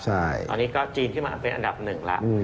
ตอนนี้ก็จีนขึ้นมาเป็นอันดับหนึ่งแล้ว